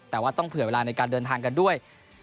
แต่ว่าต้องเผื่อเวลาในการเดินทางกันด้วย